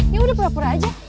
ya udah pura pura aja